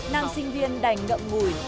nam sinh viên đành ngậm ngùi